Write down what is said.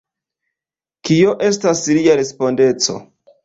Kio estas lia respondeco?